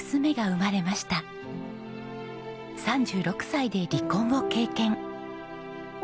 ３６歳で離婚を経験。